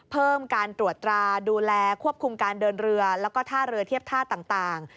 เพิ่มการตรวจตราดูแลควบคุมการเดินเรือแล้วก็ท่าเรือเทียบท่าต่าง